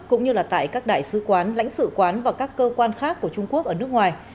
cũng như là tại các đại sứ quán lãnh sự quán và các cơ quan khác của trung quốc ở nước ngoài